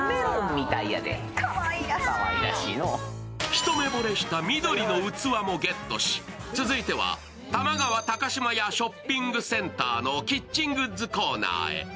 ひとめぼれした緑の器もゲットし続いては、玉川高島屋ショッピングセンターのキッチングッズコーナーへ。